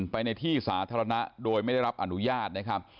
ไปในที่สาธารณะโดยไม่ได้รับอนุญาตนะครับ